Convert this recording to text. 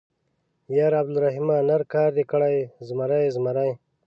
_ياره عبدالرحيمه ، نر کار دې کړی، زمری يې، زمری.